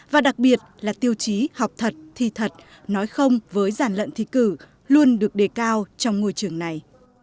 và đặc biệt là tiêu chí học thật thi thật nói không với giản lận thi cử luôn được đề cao trong ngôi trường này